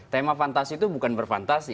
tema fantasi itu bukan berfantasi